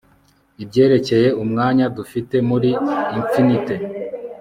Ibyerekeye umwanya dufite muri infinite